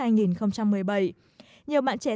nhiều bạn trẻ tập trung vào bộ phim này